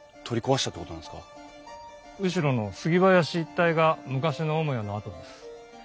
後ろの杉林一帯が昔の主屋の跡です。